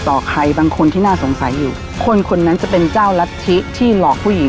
แต่ก็ยังเดินข้าวรักของเธอเป็นหลักไม่รู้ไหม